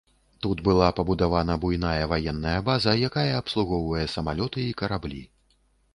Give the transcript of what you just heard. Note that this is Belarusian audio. Тут была пабудавана буйная ваенная база, якая абслугоўвае самалёты і караблі.